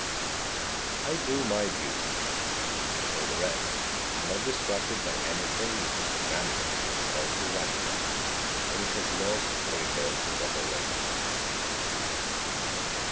22. I do my duty, and for the rest am not distracted by anything which is inanimate or irrational, or which has lost or ignores the proper way.